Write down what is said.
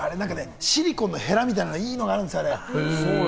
シリコンのヘラみたいないいのがあるんですよ。